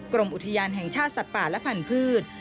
กรมอุทยานแห่งชาติสัตว์ป่าและพันธุ์